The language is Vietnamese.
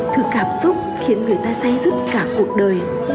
thực cảm xúc khiến người ta say rứt cả cuộc đời